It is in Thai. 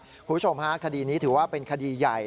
คุณผู้ชมฮะคดีนี้ถือว่าเป็นคดีใหญ่